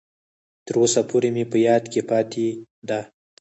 تر اوسه پورې مې په یاد کې پاتې ده.